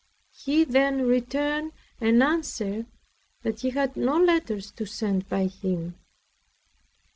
He then returned an answer, that he had no letters to send by him.